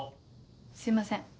すいません。